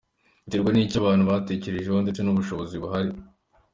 Biterwa n’icyo abantu batekerejeho ndetse n’ubushobozi buhari.